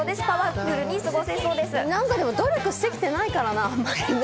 努力してきてないからな、あんまり。